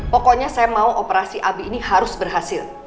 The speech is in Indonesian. pokoknya saya mau operasi abi ini harus berhasil